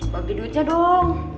bagi duitnya dong